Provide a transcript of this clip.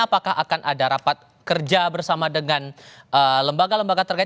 apakah akan ada rapat kerja bersama dengan lembaga lembaga terkait